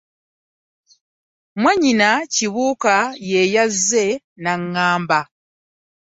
Mwannyina Kibuuka ye yazze n'aŋŋamba.